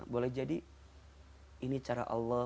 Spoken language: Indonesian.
boleh jadi ini cara allah